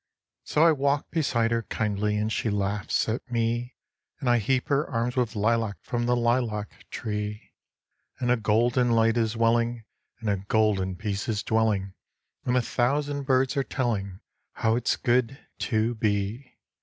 So I walk beside her kindly, and she laughs at me; And I heap her arms with lilac from the lilac tree; And a golden light is welling, and a golden peace is dwelling, And a thousand birds are telling how it's good to be.